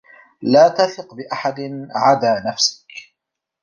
لا تثق بأحد عدى نفسك.